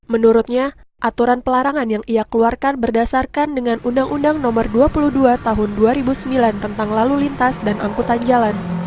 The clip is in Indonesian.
menurutnya aturan pelarangan yang ia keluarkan berdasarkan dengan undang undang nomor dua puluh dua tahun dua ribu sembilan tentang lalu lintas dan angkutan jalan